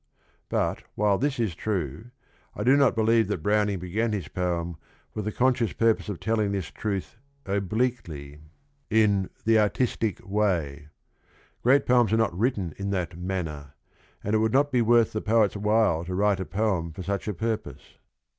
But while this is true, I do not believe that Browning began his poem with the conscious purpose of telling this truth "obliquely" in "the LESSONS OF RING AND BOOK 217 artistic way." Great poems are not written in that manner, and it would not be worth the poet's while to write a poem for such a purpose.